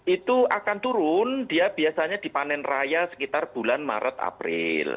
itu akan turun dia biasanya dipanen raya sekitar bulan maret april